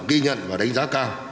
ghi nhận và đánh giá cao